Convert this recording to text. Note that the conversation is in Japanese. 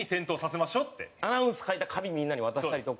アナウンス書いた紙みんなに渡したりとか。